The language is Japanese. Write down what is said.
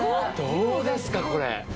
どうですかこれ？